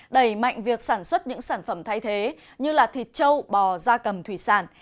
đẩy mạnh việc sản xuất những sản phẩm thay thế như thịt châu bò da cầm thủy sản